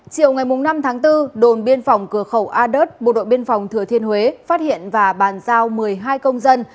chiều ngày năm tháng bốn đồn biên phòng cửa khẩu ad bộ đội biên phòng thừa thiên huế phát hiện và bàn giao một mươi hai công dân